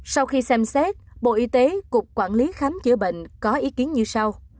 sau khi xem xét bộ y tế cục quản lý khám chữa bệnh có ý kiến như sau